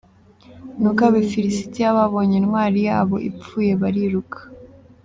Nuko Abafilisitiya babonye intwari yabo ipfuye bariruka.